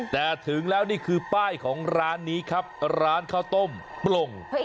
แต่ถึงแล้วนี่คือป้ายของร้านนี้ครับร้านข้าวต้มปลง